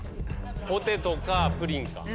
ポテトかプリンか。